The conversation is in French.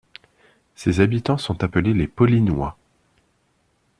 Ses habitants sont appelés les Paulignois.